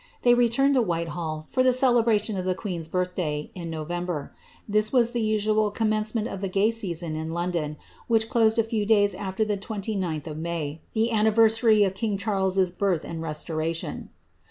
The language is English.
They returned to Whitehall, ft>r the celebration of the queen^s birth dsy, in November; this was the usual commencement of the gay season in London, which closed a few days after the 29th of May, the annire^ sary of king Charleses birth and restoration.